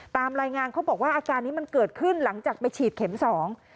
ตามรายงานเขาบอกว่าอาการนี้มันเกิดขึ้นหลังจากไปฉีดเข็มสอง